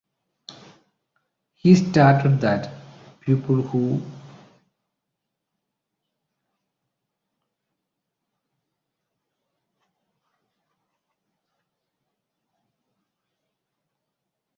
He stated that people who were homeless and seriously ill would be given shelter.